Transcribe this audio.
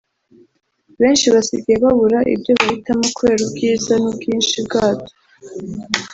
Benshi basigaye babura ibyo bahitamo kubera ubwiza n’ubwinshi bwabyo